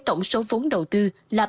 tổng số vốn đầu tư là ba một triệu đô la mỹ